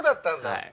はい。